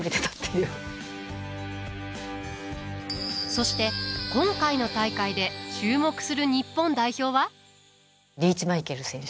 そして、今回の大会で注目する日本代表は？